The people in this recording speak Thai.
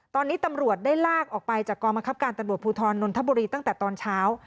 ตอนนี้ตำรวจได้ลากออกไปจากกองบังคับการตำรวจภูทรนนทบุรีตั้งแต่ตอนเช้า